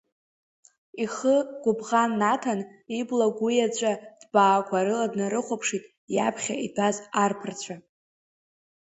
Ихы гәыбӷан наҭан, ибла гәиаҵәа ҭбаақәа рыла днарыхәаԥшит иаԥхьа итәаз арԥарцәа.